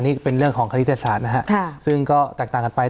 นี่เป็นเรื่องของคณิตศาสตร์นะฮะซึ่งก็แตกต่างกันไป